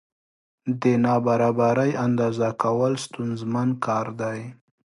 د نابرابرۍ اندازه کول ستونزمن کار دی.